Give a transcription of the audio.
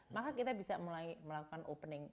maka kita bisa mulai melakukan opening